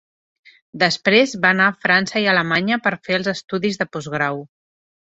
Després va anar a França i Alemanya per fer els estudis de postgrau.